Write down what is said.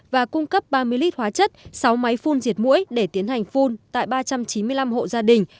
và cung cấp ba mươi lít hóa chất sáu máy phun diệt mũi để tiến hành phun tại ba trăm chín mươi năm hộ gia đình